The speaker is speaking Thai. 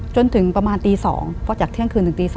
จนถึงประมาณตี๒เพราะจากเที่ยงคืนถึงตี๒